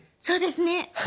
そうですね。